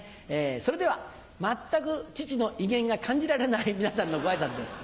それでは全く父の威厳が感じられない皆さんのごあいさつです。